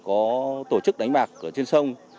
và có tổ chức đánh bạc ở trên sông